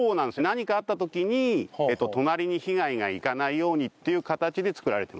何かあった時に隣に被害がいかないようにっていう形で造られてます。